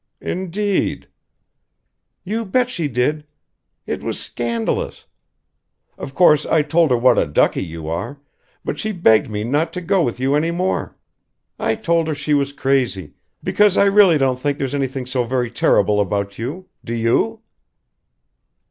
"Indeed?" "You bet she did. It was scandalous! Of course I told her what a ducky you are but she begged me not to go with you any more. I told her she was crazy because I really don't think there's anything so very terrible about you do you?"